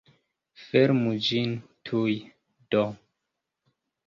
Fermu ĝin tuj, do!